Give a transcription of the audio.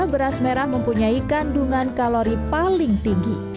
beras merah mempunyai kandungan kalori paling tinggi